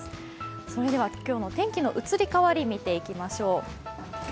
それでは今日の天気の移り変わりを見ていきましょう。